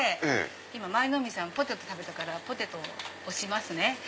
今舞の海さんポテト食べたからポテト推しますね。